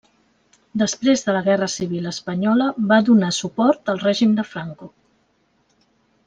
Després de la Guerra Civil espanyola va donar suport al règim de Franco.